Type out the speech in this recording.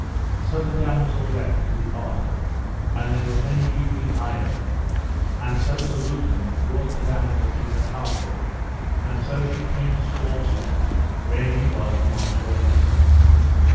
So the damosel wept and departed, and there were many weeping eyen; and so Sir Lucan brought the damosel to her palfrey, and so she came to Sir Launcelot where he was among all his knights.